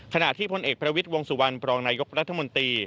ขณะที่พลเอกประวิทย์วงสุวรรณบรองนายกรัฐมนตรี